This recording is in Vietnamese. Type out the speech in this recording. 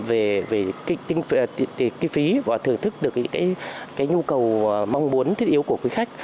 về kinh phí và thưởng thức được cái nhu cầu mong muốn thiết yếu của quý khách